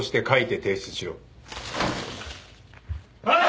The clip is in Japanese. はい。